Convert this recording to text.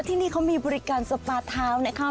ที่นี่เขามีบริการสปาเท้านะคะ